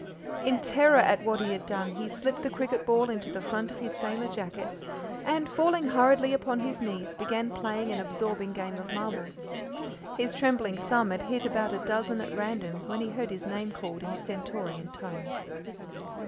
In terror at what he had done, he slipped the cricket ball into the front of his sailor jacket, and, falling hurriedly upon his knees, began playing an absorbing game of marbles. His trembling thumb had hit about a dozen at random when he heard his name called in stentorian tones.